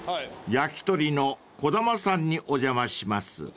［焼き鳥の児玉さんにお邪魔します］